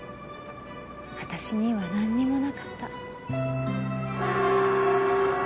私にはなんにもなかった。